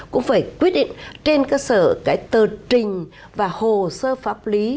cũng phải quyết định trên cơ sở cái tờ trình và hồ sơ pháp lý